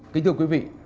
kính thưa quý vị